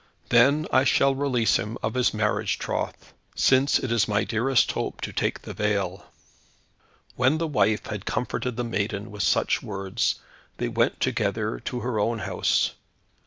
Then I shall release him of his marriage troth, since it is my dearest hope to take the veil." When the wife had comforted the maiden with such words, they went together to her own house.